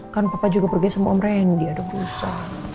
kan papa juga pergi sama om randy ada busa